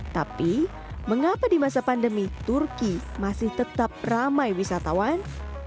tapi mengapa di masa pandemi turki masih tetap ramai wisatawan